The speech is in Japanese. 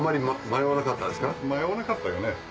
迷わなかったよね？